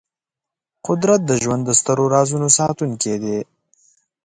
قدرت د ژوند د سترو رازونو ساتونکی دی.